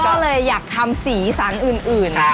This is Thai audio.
ก็เลยอยากทำสีสันอื่น